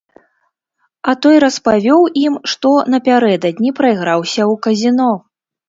А той распавёў ім, што напярэдадні прайграўся ў казіно.